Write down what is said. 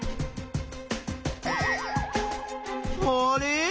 あれ？